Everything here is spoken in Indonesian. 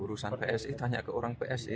urusan psi tanya ke orang psi